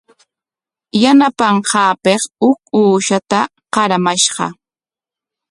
Yanapanqaapik huk uushata qaramashqa.